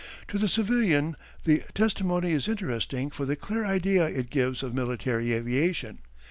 To the civilian the testimony is interesting for the clear idea it gives of military aviation.